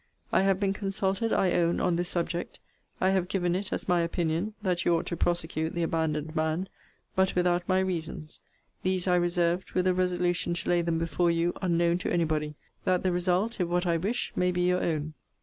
I have been consulted, I own, on this subject. I have given it as my opinion, that you ought to prosecute the abandoned man but without my reasons. These I reserved, with a resolution to lay them before you unknown to any body, that the result, if what I wish, may be your own.